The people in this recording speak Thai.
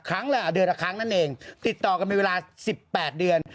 เดือนละครั้งนั่นเองติดต่อกันเป็นเวลา๑๘เดือน